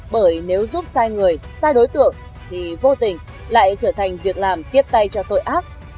bởi nếu giúp sai người sai đối tượng thì vô tình lại trở thành việc làm tiếp tay cho tội ác